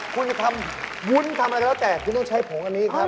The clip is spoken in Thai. คุณจะทำวุ้นทำอะไรก็แล้วแต่คุณต้องใช้ผงอันนี้ครับ